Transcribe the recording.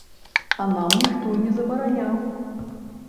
А нам ніхто не забараняў.